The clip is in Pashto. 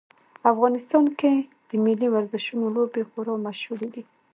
افغانستان کې د ملي ورزشونو لوبې خورا مشهورې دي